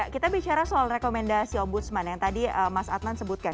kita bicara soal rekomendasi ombudsman yang tadi mas adnan sebutkan